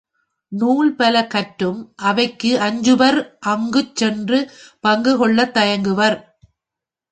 நூல் பல கற்றும் அவைக்கு அஞ்சுபர் அங்குச் சென்று பங்குகொள்ளத் தயங்குவர்.